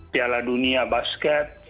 piala dunia basket